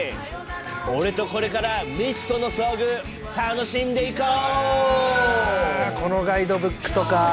オレとこれから未知との遭遇楽しんでいこう！